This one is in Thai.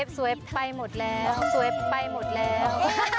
สวยไปหมดแล้ว